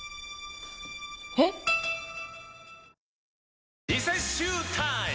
えっ⁉リセッシュータイム！